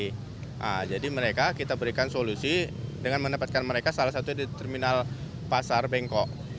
nah jadi mereka kita berikan solusi dengan mendapatkan mereka salah satu di terminal pasar bengkok